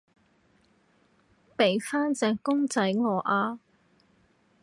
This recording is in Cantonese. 畀返隻公仔我啊